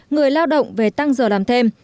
người lao động về tăng giờ làm